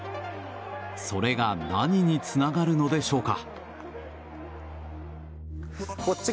それが、何につながるのでしょうか。